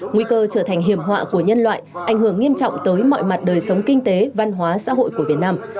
nguy cơ trở thành hiểm họa của nhân loại ảnh hưởng nghiêm trọng tới mọi mặt đời sống kinh tế văn hóa xã hội của việt nam